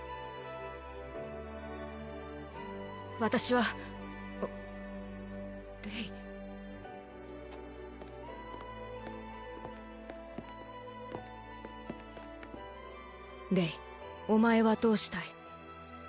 私はあっレイレイお前はどうしたい？